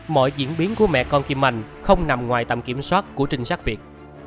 mọi diễn biến của mẹ con kim manh không nằm ngoài tầm kiểm soát của trinh sát việt